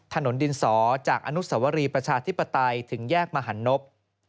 ถนนดินสอจากอนุสวรีประชาธิปไตยถึงแยกมหันนบ